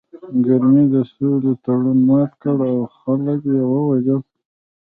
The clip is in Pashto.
کرمي د سولې تړون مات کړ او خلک یې ووژل